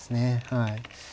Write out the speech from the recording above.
はい。